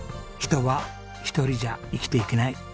「人は１人じゃ生きていけない」。